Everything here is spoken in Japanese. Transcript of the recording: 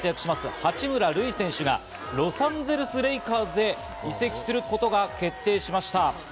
八村塁選手がロサンゼルス・レイカーズへ移籍することが決定しました。